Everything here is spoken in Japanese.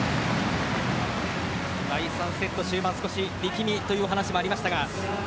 第３セット終盤少し力みという話もありました。